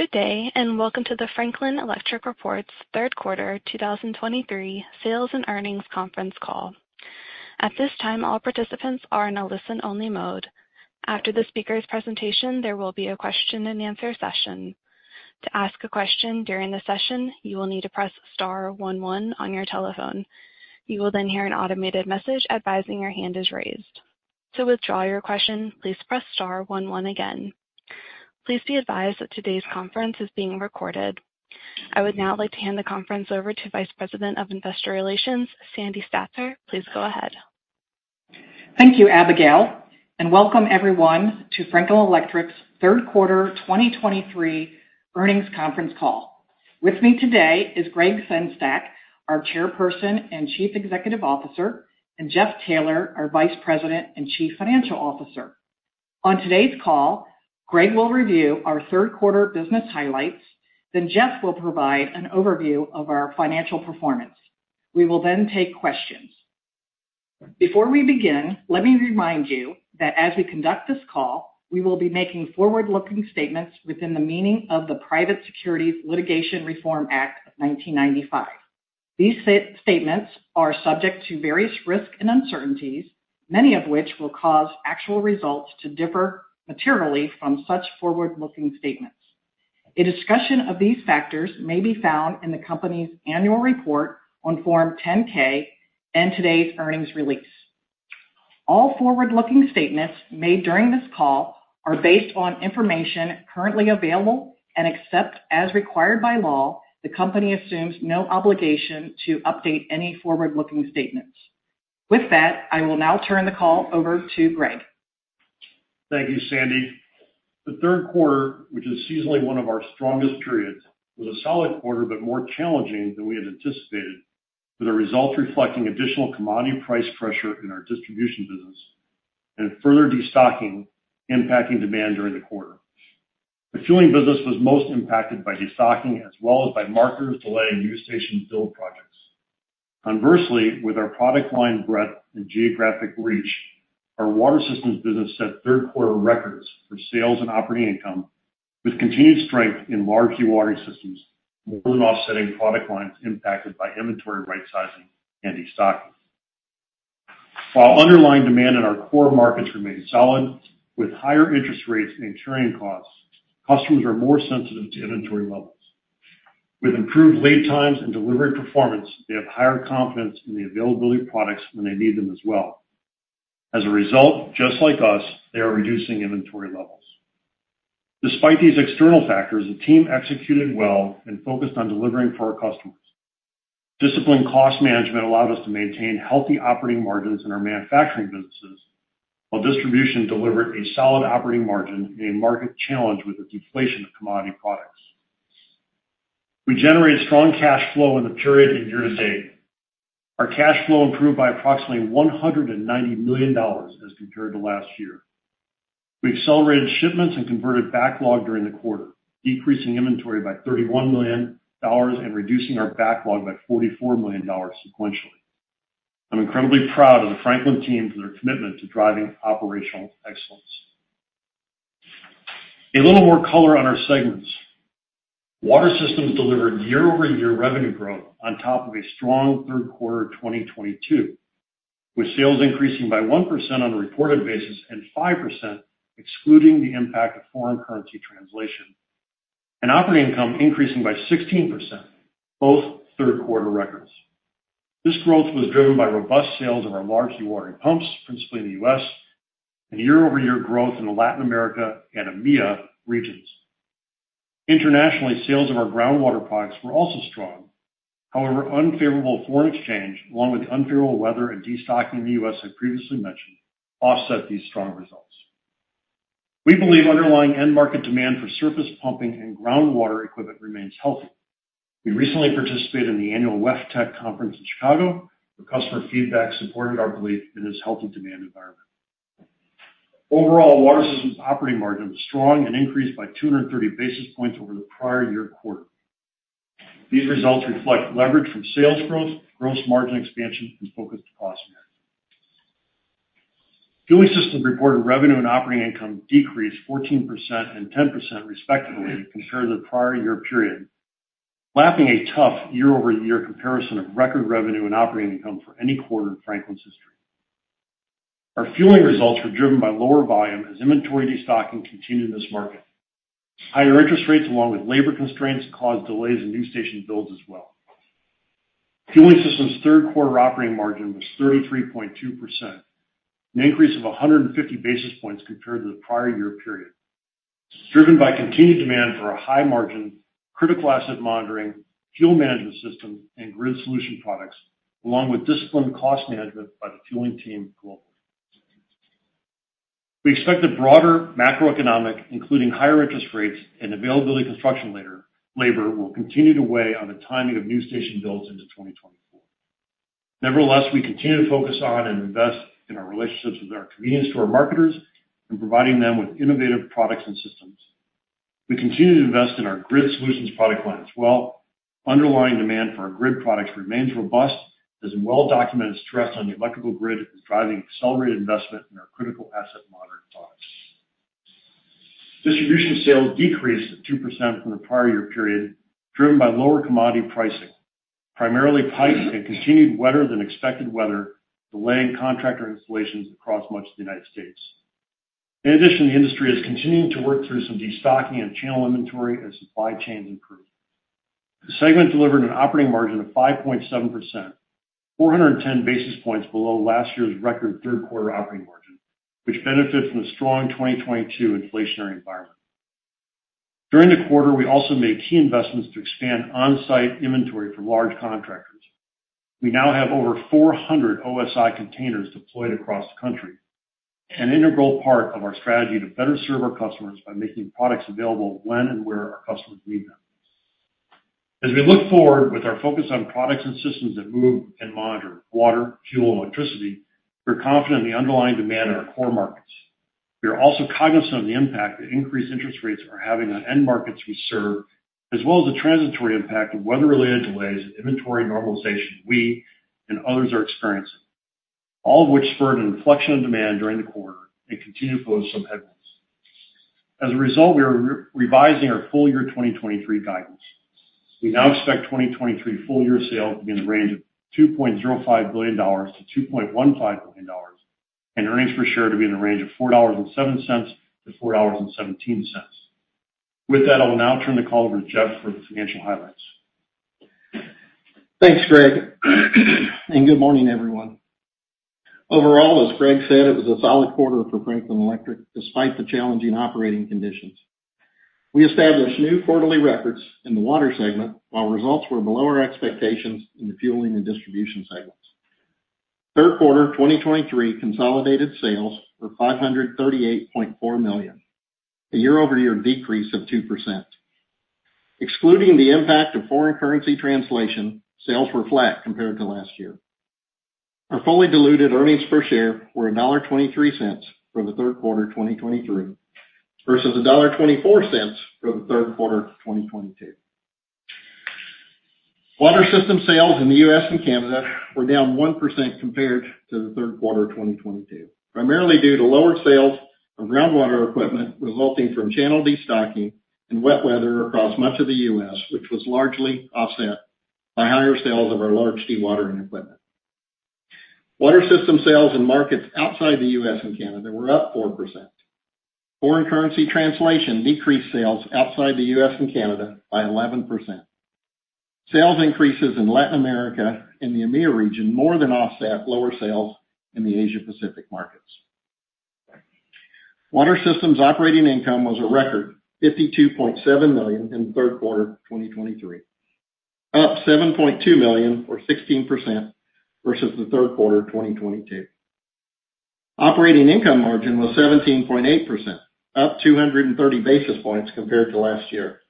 Good day, and welcome to the Franklin Electric Reports Third Quarter 2023 Sales and Earnings Conference Call. At this time, all participants are in a listen-only mode. After the speaker's presentation, there will be a question-and-answer session. To ask a question during the session, you will need to press star one one on your telephone. You will then hear an automated message advising your hand is raised. To withdraw your question, please press star one one again. Please be advised that today's conference is being recorded. I would now like to hand the conference over to Vice President of Investor Relations, Sandy Statzer. Please go ahead. Thank you, Abigail, and welcome everyone to Franklin Electric's third quarter 2023 earnings conference call. With me today is Gregg Sengstack, our Chairperson and Chief Executive Officer, and Jeff Taylor, our Vice President and Chief Financial Officer. On today's call, Gregg will review our third quarter business highlights, then Jeff will provide an overview of our financial performance. We will then take questions. Before we begin, let me remind you that as we conduct this call, we will be making forward-looking statements within the meaning of the Private Securities Litigation Reform Act of 1995. These statements are subject to various risks and uncertainties, many of which will cause actual results to differ materially from such forward-looking statements. A discussion of these factors may be found in the company's annual report on Form 10-K and today's earnings release. All forward-looking statements made during this call are based on information currently available, and except as required by law, the company assumes no obligation to update any forward-looking statements. With that, I will now turn the call over to Gregg. Thank you, Sandy. The third quarter, which is seasonally one of our strongest periods, was a solid quarter, but more challenging than we had anticipated, with the results reflecting additional commodity price pressure in our distribution business and further destocking impacting demand during the quarter. The fueling business was most impacted by destocking, as well as by marketers delaying new station build projects. Conversely, with our product line breadth and geographic reach, our water systems business set third-quarter records for sales and operating income, with continued strength in large dewatering systems, more than offsetting product lines impacted by inventory rightsizing and destocking. While underlying demand in our core markets remained solid, with higher interest rates and insurance costs, customers are more sensitive to inventory levels. With improved lead times and delivery performance, they have higher confidence in the availability of products when they need them as well. As a result, just like us, they are reducing inventory levels. Despite these external factors, the team executed well and focused on delivering for our customers. Disciplined cost management allowed us to maintain healthy operating margins in our manufacturing businesses, while distribution delivered a solid operating margin in a market challenged with the deflation of commodity products. We generated strong cash flow in the period year to date. Our cash flow improved by approximately $190 million as compared to last year. We accelerated shipments and converted backlog during the quarter, decreasing inventory by $31 million and reducing our backlog by $44 million sequentially. I'm incredibly proud of the Franklin team for their commitment to driving operational excellence. A little more color on our segments. Water Systems delivered year-over-year revenue growth on top of a strong third quarter 2022, with sales increasing by 1% on a reported basis and 5% excluding the impact of foreign currency translation, and operating income increasing by 16%, both third quarter records. This growth was driven by robust sales of our large watering pumps, principally in the U.S., and year-over-year growth in the Latin America and EMEA regions. Internationally, sales of our groundwater products were also strong. However, unfavorable foreign exchange, along with unfavorable weather and destocking in the U.S. I previously mentioned, offset these strong results. We believe underlying end market demand for surface pumping and groundwater equipment remains healthy. We recently participated in the annual WEFTEC conference in Chicago, where customer feedback supported our belief in this healthy demand environment. Overall, Water Systems' operating margin was strong and increased by 230 basis points over the prior year quarter. These results reflect leverage from sales growth, gross margin expansion, and focused cost management. Fueling Systems reported revenue and operating income decreased 14% and 10%, respectively, compared to the prior year period, lapping a tough year-over-year comparison of record revenue and operating income for any quarter in Franklin's history. Our fueling results were driven by lower volume as inventory destocking continued in this market. Higher interest rates, along with labor constraints, caused delays in new station builds as well. Fueling Systems' third quarter operating margin was 33.2%, an increase of 150 basis points compared to the prior year period, driven by continued demand for our high-margin, critical asset monitoring, fuel management system, and Grid Solutions products, along with disciplined cost management by the fueling team globally. We expect that broader macroeconomic, including higher interest rates and availability of construction later- labor, will continue to weigh on the timing of new station builds into 2024. Nevertheless, we continue to focus on and invest in our relationships with our convenience store marketers and providing them with innovative products and systems. We continue to invest in our Grid Solutions product line as well....Underlying demand for our grid products remains robust, as well-documented stress on the electrical grid is driving accelerated investment in our critical asset monitoring products. Distribution sales decreased 2% from the prior year period, driven by lower commodity pricing, primarily pipe and continued wetter than expected weather, delaying contractor installations across much of the United States. In addition, the industry is continuing to work through some destocking and channel inventory as supply chains improve. The segment delivered an operating margin of 5.7%, 410 basis points below last year's record third quarter operating margin, which benefits from the strong 2022 inflationary environment. During the quarter, we also made key investments to expand on-site inventory for large contractors. We now have over 400 OSI containers deployed across the country, an integral part of our strategy to better serve our customers by making products available when and where our customers need them. As we look forward with our focus on products and systems that move and monitor water, fuel, electricity, we're confident in the underlying demand in our core markets. We are also cognizant of the impact that increased interest rates are having on end markets we serve, as well as the transitory impact of weather-related delays and inventory normalization we and others are experiencing, all of which spurred an inflection of demand during the quarter and continue to pose some headwinds. As a result, we are re-revising our full year 2023 guidance. We now expect 2023 full year sales to be in the range of $2.05 billion-$2.15 billion, and earnings per share to be in the range of $4.07-$4.17.With that, I'll now turn the call over to Jeff for the financial highlights. Thanks, Gregg, and good morning, everyone. Overall, as Gregg said, it was a solid quarter for Franklin Electric, despite the challenging operating conditions. We established new quarterly records in the water segment, while results were below our expectations in the fueling and distribution segments. Third quarter 2023 consolidated sales were $538.4 million, a year-over-year decrease of 2%. Excluding the impact of foreign currency translation, sales were flat compared to last year. Our fully diluted earnings per share were $1.23 for the third quarter of 2023, versus $1.24 for the third quarter of 2022. Water Systems sales in the U.S. and Canada were down 1% compared to the third quarter of 2022, primarily due to lower sales of groundwater equipment, resulting from channel destocking and wet weather across much of the U.S., which was largely offset by higher sales of our large dewatering equipment. Water Systems sales in markets outside the U.S. and Canada were up 4%. Foreign currency translation decreased sales outside the U.S. and Canada by 11%. Sales increases in Latin America and the EMEA region more than offset lower sales in the Asia Pacific markets. Water Systems operating income was a record $52.7 million in the third quarter of 2023, up $7.2 million, or 16%, versus the third quarter of 2022. Operating income margin was 17.8%, up 230 basis points compared to last year.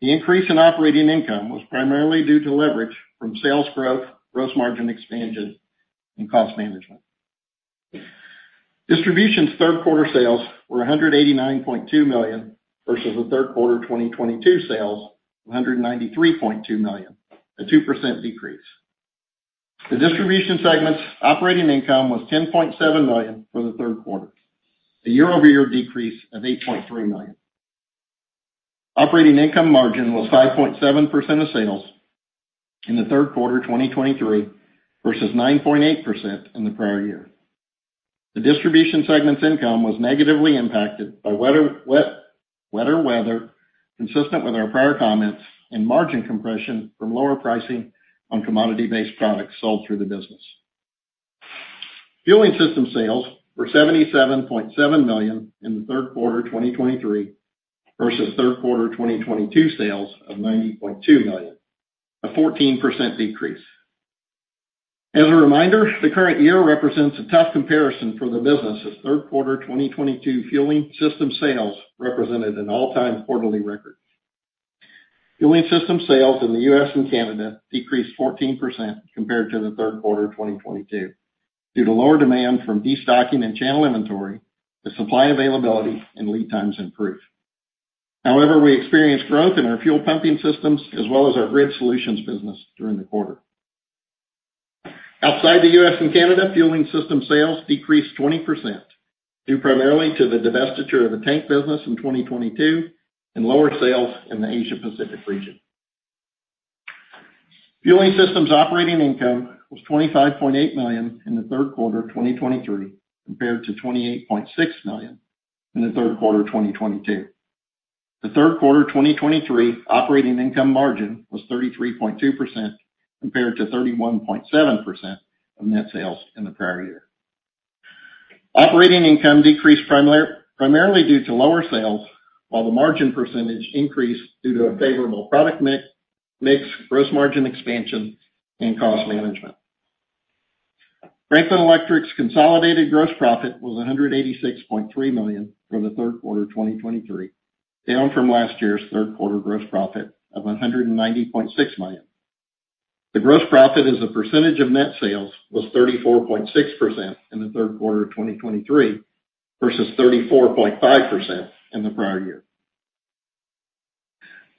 The increase in operating income was primarily due to leverage from sales growth, gross margin expansion, and cost management. Distribution's third quarter sales were $189.2 million, versus the third quarter 2022 sales of $193.2 million, a 2% decrease. The distribution segment's operating income was $10.7 million for the third quarter, a year-over-year decrease of $8.3 million. Operating income margin was 5.7% of sales in the third quarter 2023, versus 9.8% in the prior year. The distribution segment's income was negatively impacted by wetter weather, consistent with our prior comments, and margin compression from lower pricing on commodity-based products sold through the business. Fueling system sales were $77.7 million in the third quarter 2023, versus third quarter 2022 sales of $90.2 million, a 14% decrease. As a reminder, the current year represents a tough comparison for the business, as third quarter 2022 fueling system sales represented an all-time quarterly record. Fueling system sales in the U.S. and Canada decreased 14% compared to the third quarter of 2022, due to lower demand from destocking and channel inventory, the supply availability and lead times improved. However, we experienced growth in our fuel pumping systems as well as our Grid Solutions business during the quarter. Outside the U.S. and Canada, fueling system sales decreased 20%, due primarily to the divestiture of the tank business in 2022 and lower sales in the Asia Pacific region. Fueling systems operating income was $25.8 million in the third quarter 2023, compared to $28.6 million in the third quarter 2022. The third quarter 2023 operating income margin was 33.2% compared to 31.7% of net sales in the prior year. Operating income decreased primarily due to lower sales, while the margin percentage increased due to a favorable product mix, gross margin expansion, and cost management. Franklin Electric's consolidated gross profit was $186.3 million for the third quarter 2023, down from last year's third quarter gross profit of $190.6 million. The gross profit as a percentage of net sales was 34.6% in the third quarter of 2023, versus 34.5% in the prior year.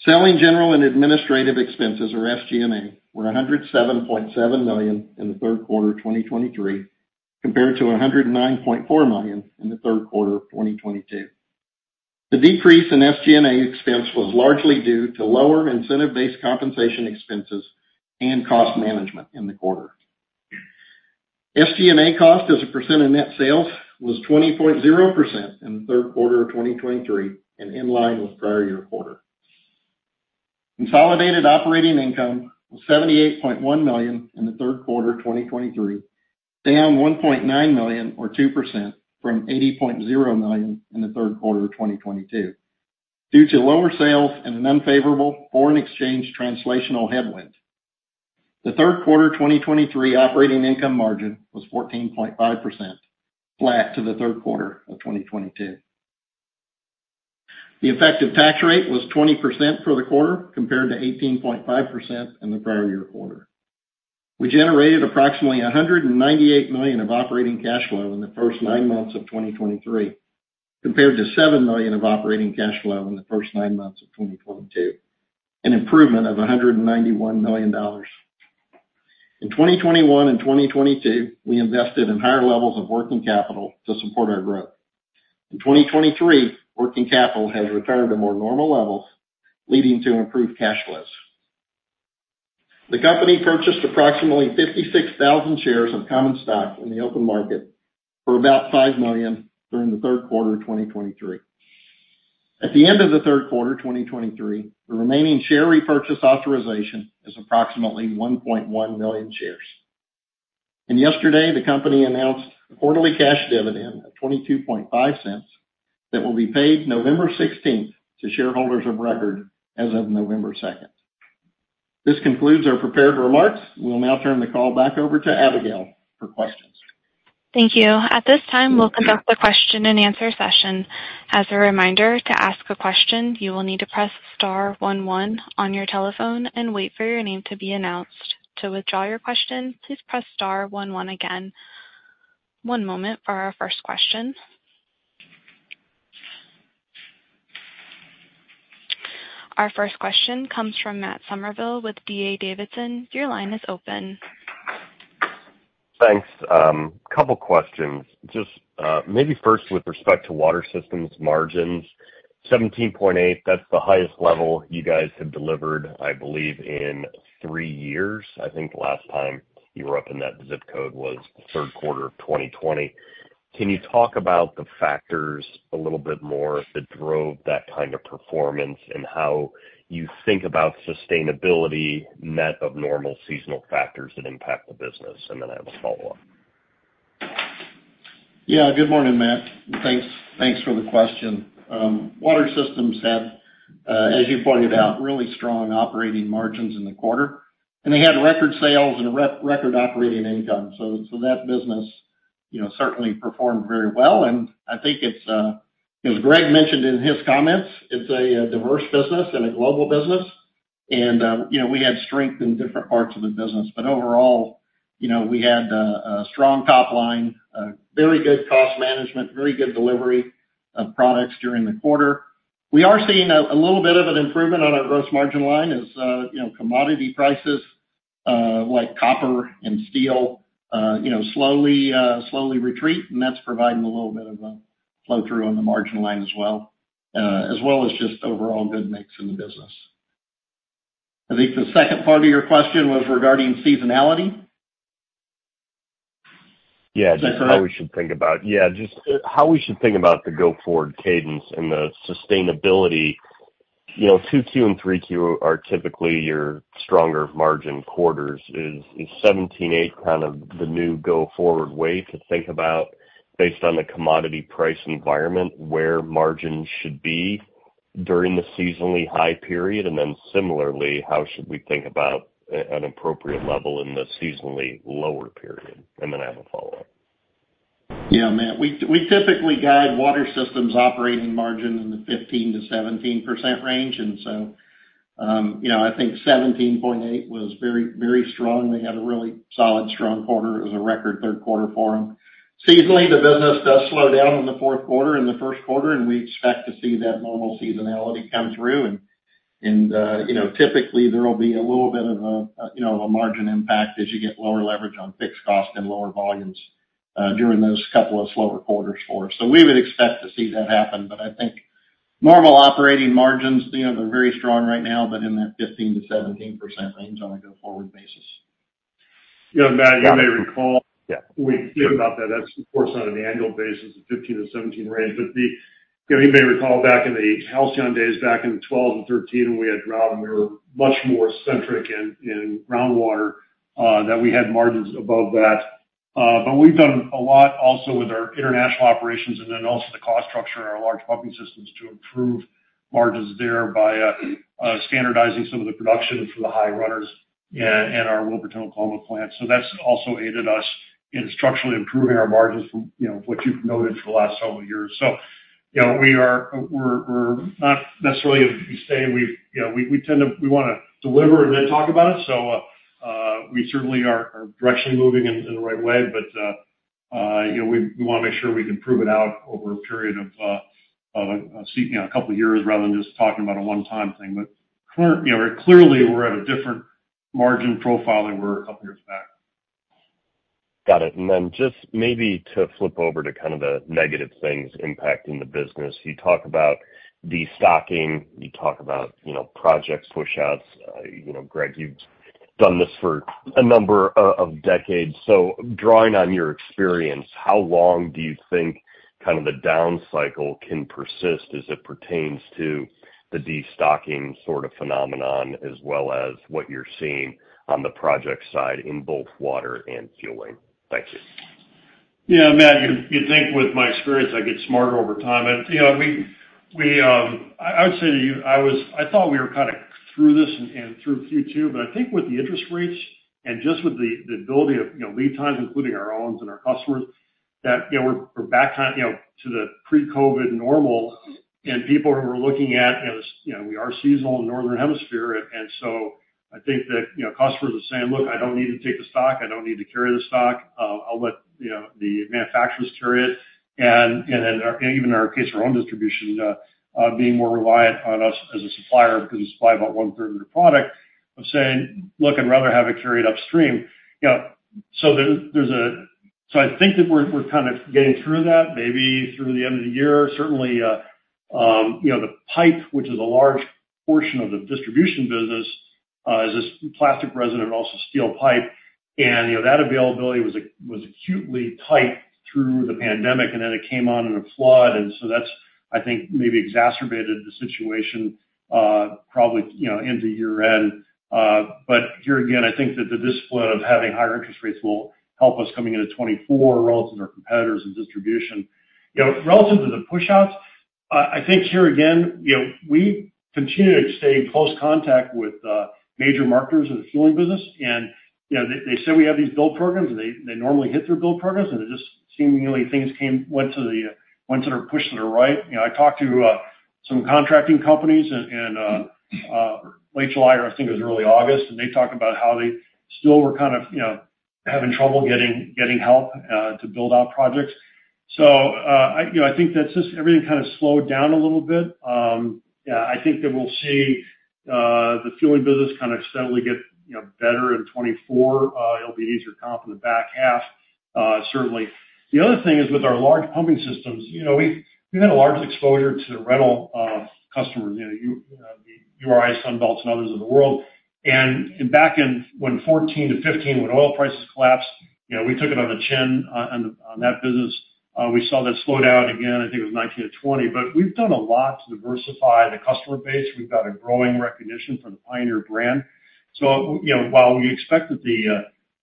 Selling, general, and administrative expenses, or SG&A, were $107.7 million in the third quarter of 2023, compared to $109.4 million in the third quarter of 2022. The decrease in SG&A expense was largely due to lower incentive-based compensation expenses and cost management in the quarter. SG&A cost as a percent of net sales was 20.0% in the third quarter of 2023, and in line with prior year quarter. Consolidated operating income was $78.1 million in the third quarter of 2023, down $1.9 million or 2% from $80.0 million in the third quarter of 2022, due to lower sales and an unfavorable foreign exchange translational headwind. The third quarter 2023 operating income margin was 14.5%, flat to the third quarter of 2022. The effective tax rate was 20% for the quarter, compared to 18.5% in the prior year quarter. We generated approximately $198 million of operating cash flow in the first nine months of 2023, compared to $7 million of operating cash flow in the first nine months of 2022, an improvement of $191 million. In 2021 and 2022, we invested in higher levels of working capital to support our growth. In 2023, working capital has returned to more normal levels, leading to improved cash flows. The company purchased approximately 56,000 shares of common stock in the open market for about $5 million during the third quarter of 2023. At the end of the third quarter of 2023, the remaining share repurchase authorization is approximately 1.1 million shares. Yesterday, the company announced a quarterly cash dividend of $22.5 that will be paid November 16th to shareholders of record as of November 2nd. This concludes our prepared remarks. We'll now turn the call back over to Abigail for questions. Thank you. At this time, we'll conduct the question and answer session. As a reminder, to ask a question, you will need to press star one one on your telephone and wait for your name to be announced. To withdraw your question, please press star one one again. One moment for our first question. Our first question comes from Matt Summerville with D.A. Davidson. Your line is open. Thanks. Couple questions. Just, maybe first with respect to Water Systems margins, 17.8%, that's the highest level you guys have delivered, I believe, in three years. I think last time you were up in that zip code was the third quarter of 2020. Can you talk about the factors a little bit more that drove that kind of performance, and how you think about sustainability net of normal seasonal factors that impact the business? And then I have a follow-up. Yeah. Good morning, Matt. Thanks, thanks for the question. Water systems have, as you pointed out, really strong operating margins in the quarter, and they had record sales and record operating income. So, that business, you know, certainly performed very well, and I think it's, as Gregg mentioned in his comments, it's a diverse business and a global business. And, you know, we had strength in different parts of the business. But overall, you know, we had a strong top line, a very good cost management, very good delivery of products during the quarter. We are seeing a little bit of an improvement on our gross margin line as, you know, commodity prices, like copper and steel, you know, slowly retreat, and that's providing a little bit of a flow-through on the margin line as well, as well as just overall good mix in the business. I think the second part of your question was regarding seasonality? Yeah- Is that correct? Just how we should think about... Yeah, just how we should think about the go-forward cadence and the sustainability. You know, 2Q and 3Q are typically your stronger margin quarters, is 17.8% kind of the new go-forward way to think about, based on the commodity price environment, where margins should be during the seasonally high period? And then similarly, how should we think about an appropriate level in the seasonally lower period? And then I have a follow-up. Yeah, Matt, we typically guide water systems operating margin in the 15%-17% range. And so, you know, I think 17.8% was very, very strong. We had a really solid, strong quarter. It was a record third quarter for them. Seasonally, the business does slow down in the fourth quarter and the first quarter, and we expect to see that normal seasonality come through. And, you know, typically there will be a little bit of a, you know, a margin impact as you get lower leverage on fixed cost and lower volumes during those couple of slower quarters for us. So we would expect to see that happen, but I think normal operating margins, you know, they're very strong right now, but in that 15%-17% range on a go-forward basis. Yeah, Matt, you may recall- Yeah. We think about that. That's of course, on an annual basis, the 15%-17% range. But you know, you may recall back in the halcyon days, back in 2012 and 2013, when we had drought and we were much more centric in groundwater, that we had margins above that. But we've done a lot also with our international operations and then also the cost structure in our large pumping systems to improve margins there by standardizing some of the production for the high runners in our Wilburton, Oklahoma plant. So that's also aided us in structurally improving our margins from, you know, what you've noted for the last several years. You know, we are, we're not necessarily, as you say, we've, you know, we tend to—we wanna deliver and then talk about it. So, we certainly are directionally moving in the right way. But, you know, we wanna make sure we can prove it out over a period of, you know, a couple years rather than just talking about a one-time thing. But you know, clearly, we're at a different margin profile than we were a couple years back. Got it. And then just maybe to flip over to kind of the negative things impacting the business. You talk about destocking, you talk about, you know, project pushouts. You know, Gregg, you've done this for a number of, of decades. So drawing on your experience, how long do you think kind of the down cycle can persist as it pertains to the destocking sort of phenomenon, as well as what you're seeing on the project side in both water and fueling? Thank you. Yeah, Matt, you'd think with my experience, I'd get smarter over time. And, you know, I would say to you, I was—I thought we were kind of through this and through Q2, but I think with the interest rates and just with the ability of, you know, lead times, including our own and our customers, that, you know, we're back kind of to the pre-COVID normal. And people who are looking at, you know, we are seasonal in the Northern Hemisphere, and so I think that, you know, customers are saying, "Look, I don't need to take the stock. I don't need to carry the stock. I'll let you know, the manufacturers carry it. And then, and even in our case, our own distribution, being more reliant on us as a supplier because we supply about 1/3 of the product, of saying, "Look, I'd rather have it carried upstream." You know, so there, there's a... So I think that we're kind of getting through that, maybe through the end of the year. Certainly, you know, the pipe, which is a large portion of the distribution business, is this plastic resin and also steel pipe. And, you know, that availability was acutely tight through the pandemic, and then it came on in a flood. And so that's, I think, maybe exacerbated the situation, probably, you know, into year-end. But here again, I think that the discipline of having higher interest rates will help us coming into 2024 relative to our competitors in distribution. You know, relative to the pushouts, I think here again, you know, we continue to stay in close contact with major marketers in the fueling business. And, you know, they, they say we have these build programs, and they, they normally hit their build programs, and it just seemingly things came, went to the push to the right. You know, I talked to some contracting companies in late July, or I think it was early August, and they talked about how they still were kind of, you know, having trouble getting help to build out projects. So, you know, I think that's just everything kind of slowed down a little bit. Yeah, I think that we'll see the fueling business kind of steadily get, you know, better in 2024. It'll be easier comp in the back half, certainly. The other thing is, with our large pumping systems, you know, we've had a large exposure to the rental customers, you know, the URI, Sunbelt and others of the world. And back in, when 2014 to 2015, when oil prices collapsed, you know, we took it on the chin on that business. We saw that slow down again, I think it was 2019 to 2020. But we've done a lot to diversify the customer base. We've got a growing recognition for the Pioneer brand. So, you know, while we expect that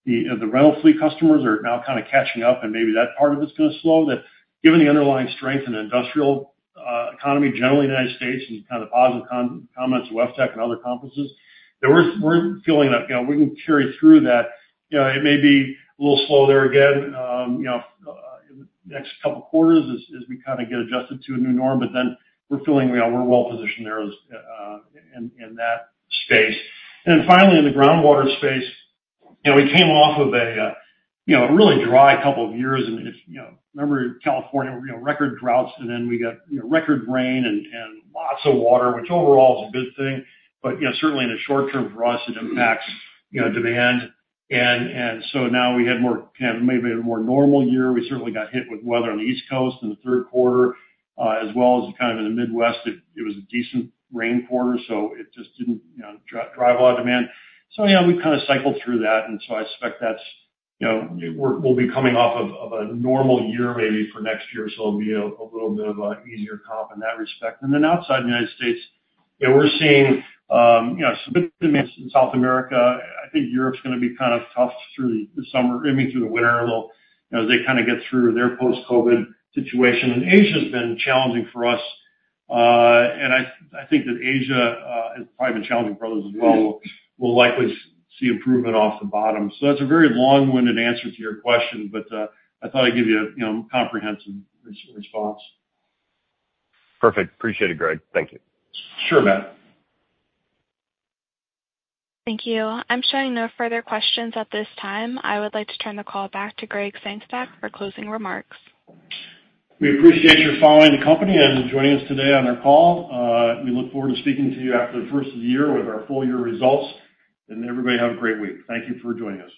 the rental fleet customers are now kind of catching up and maybe that part of it's gonna slow, that given the underlying strength in the industrial economy generally, United States, and kind of positive comments at WEFTEC and other conferences, that we're feeling that, you know, we can carry through that. You know, it may be a little slow there again, you know, in the next couple of quarters as we kind of get adjusted to a new norm, but then we're feeling, you know, we're well positioned there as in that space. And then finally, in the groundwater space, you know, we came off of a really dry couple of years. And if you know, remember in California, you know, record droughts, and then we got, you know, record rain and lots of water, which overall is a good thing. But you know, certainly in the short term for us, it impacts, you know, demand. So now we had more, kind of maybe a more normal year. We certainly got hit with weather on the East Coast in the third quarter as well as kind of in the Midwest. It was a decent rain quarter, so it just didn't, you know, drive a lot of demand. So yeah, we've kind of cycled through that, and so I expect that's, you know, we'll be coming off of a normal year maybe for next year, so it'll be a little bit of a easier comp in that respect. And then outside the United States, you know, we're seeing some in South America. I think Europe's gonna be kind of tough through the summer, I mean, through the winter, a little, you know, as they kind of get through their post-COVID situation. And Asia has been challenging for us, and I think that Asia, it's probably been challenging for others as well, will likely see improvement off the bottom. So that's a very long-winded answer to your question, but I thought I'd give you a, you know, comprehensive response. Perfect. Appreciate it, Gregg. Thank you. Sure, Matt. Thank you. I'm showing no further questions at this time. I would like to turn the call back to Gregg Sengstack for closing remarks. We appreciate your following the company and joining us today on our call. We look forward to speaking to you after the first of the year with our full year results. Everybody, have a great week. Thank you for joining us.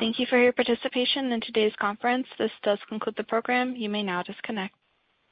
Thank you for your participation in today's conference. This does conclude the program. You may now disconnect.